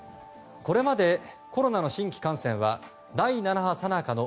これまでコロナの新規感染は第７波さなかの